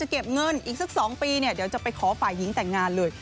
เก็บเงินอีกสัก๒ปีจะขอฝ่ายหิ้งแต่งงานเลย